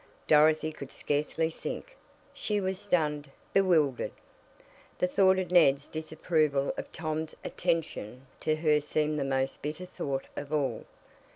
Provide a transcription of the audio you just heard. Dorothy could scarcely think she was stunned, bewildered. The thought of Ned's disapproval of Tom's attention to her seemed the most bitter thought of all.